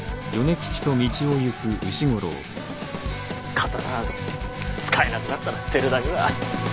刀など使えなくなったら捨てるだけだ。